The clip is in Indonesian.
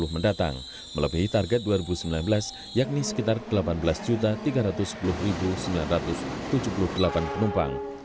mendatang melebihi target dua ribu sembilan belas yakni sekitar delapan belas tiga ratus sepuluh sembilan ratus tujuh puluh delapan penumpang